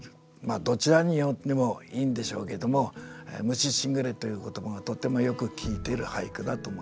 どちらに読んでもいいんでしょうけども「虫時雨」という言葉がとてもよく効いている俳句だと思います。